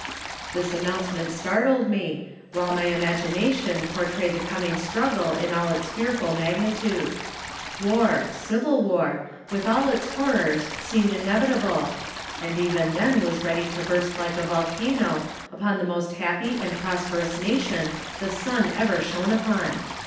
This announcement startled me, while my imagination portrayed the coming struggle in all its fearful magnitude. War, civil war, with all its horrors seemed inevitable, and even then was ready to burst like a volcano upon the most happy and prosperous nation the sun ever shone upon.